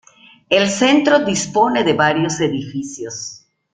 El centro dispone de varios edificios.